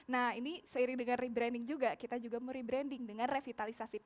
nah ini seiring dengan rebranding juga kita juga mau rebranding dengan revitalisasi pik